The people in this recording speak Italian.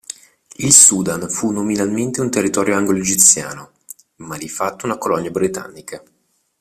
Il Sudan fu nominalmente un territorio Anglo-Egiziano, ma di fatto una colonia britannica.